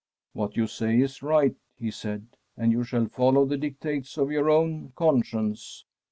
' What you say is right/ he said, ' and you shall follow the dictates of your own conscience.'